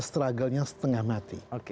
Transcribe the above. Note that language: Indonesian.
struggle nya setengah mati